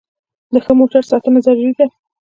د ښه موټر ساتنه ضروري ده.